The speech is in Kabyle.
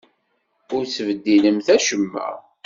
Ur ttbeddilemt acemma!